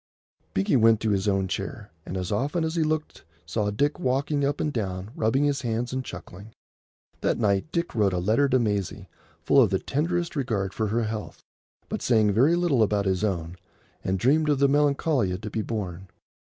Binkie went to his own chair, and as often as he looked saw Dick walking up and down, rubbing his hands and chuckling. That night Dick wrote a letter to Maisie full of the tenderest regard for her health, but saying very little about his own, and dreamed of the Melancolia to be born.